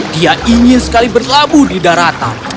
dia ingin sekali berlabuh di daratan